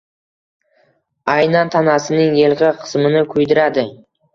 Aynan tanasining yelka qismini kuydiradi.